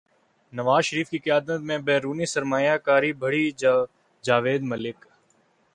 نواز شریف کی قیادت میں بیرونی سرمایہ کاری بڑھی جاوید ملک